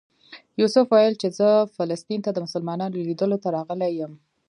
یوسف ویل چې زه فلسطین ته د مسلمانانو لیدلو ته راغلی یم.